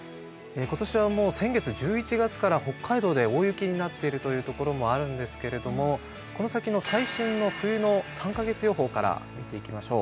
今年はもう先月１１月から北海道で大雪になっているというところもあるんですけれどもこの先の最新の冬の３か月予報から見ていきましょう。